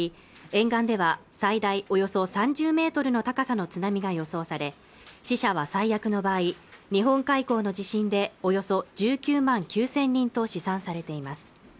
沿岸では最大およそ３０メートルの高さの津波が予想され死者は最悪の場合日本海溝の地震でおよそ１９万９０００人と試算されています